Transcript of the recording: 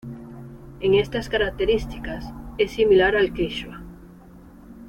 En estas características, es similar al quechua.